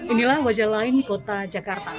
inilah wajah lain kota jakarta